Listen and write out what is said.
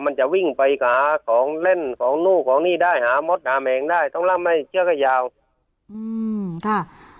มันจะวิ่งไปหาของเล่นของนู่นของนี่ได้หามดหาแมงได้ต้องล่ำให้เชือกให้ยาวอืมค่ะ